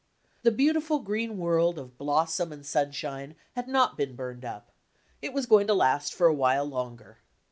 The beautiful green world of blossom and sunshine had not been burned up; it was going to last for a while longer.